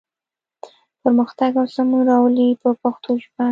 پرمختګ او سمون راولي په پښتو ژبه.